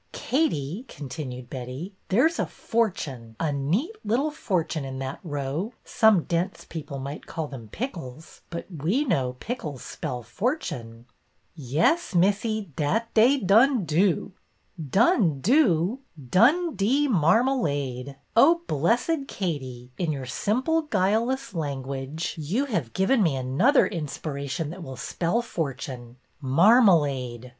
'' Katie," continued Betty, there 's a fortune, a neat little fortune in that row. Some dense people might call them pickles, but we know pickles spell fortune." '' Yes, Missy, dat dey dun do." ' Dun do !' Dundee, marmalade ! Oh, blessed Katie, in your simple, guileless language, you have 72 BETTY BAIRD'S VENTURES given me another inspiration that will spell for tune. Marmalade!